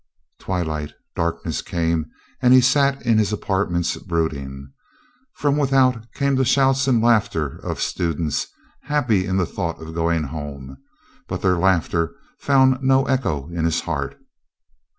Twilight, darkness came, still he sat in his apartments brooding. From without came the shouts and laughter of students, happy in the thought of going home; but their laughter found no echo in his heart.